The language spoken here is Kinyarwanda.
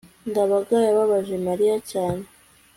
ndabaga yababaje mariya cyane